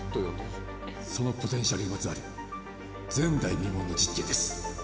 そのポテンシャルにまつわる前代未聞の実験です。